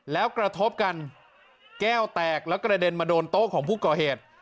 แล้วกระทบกันแก้วแตกแล้วกระเด็นมาโดนโต๊ะของผู้ก่อเหตุ